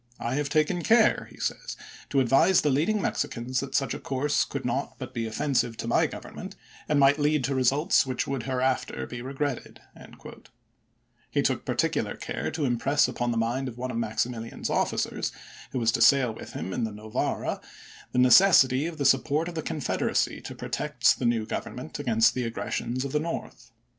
I have taken care," he says, "to advise leading Mexicans that such a course could not but be offensive to my Grovernment, and might l^amm*, lead to results which would hereafter be re ms. con gretted." He took particular care to impress upon Arcmves. the mind of one of Maximilian's officers, who was to sail with him in the Novara, the necessity of the support of the Confederacy to protect the new Grovernment against the aggressions of the North.